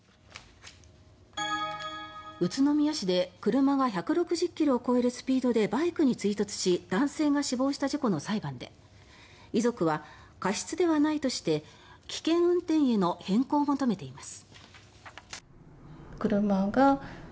宇都宮市で車が１６０ｋｍを超えるスピードでバイクに追突し男性が死亡した事故の裁判で遺族は過失ではないとして危険運転への変更を求めています。